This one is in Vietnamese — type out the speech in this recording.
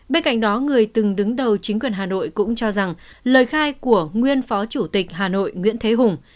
bên cạnh đó người từng đứng đầu chính quyền hà nội cũng cho rằng lời khai của nguyên phó chủ tịch hà nội nguyễn thế hùng